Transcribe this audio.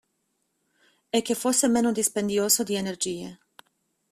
E che fosse meno dispendioso di energie.